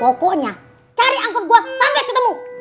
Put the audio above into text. pokoknya cari angkot gue sampai ketemu